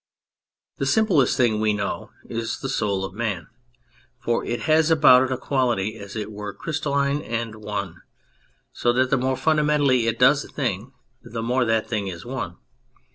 The simplest thing we know is the soul of man, for it has about it a quality as it were crystalline and one. So that the more fundamentally it does a thing the more that thing is one.